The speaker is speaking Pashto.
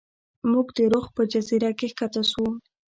موږ د رخ په جزیره کې ښکته شو.